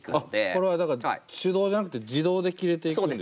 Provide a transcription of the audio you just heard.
これはだから手動じゃなくて自動で切れていくんですね。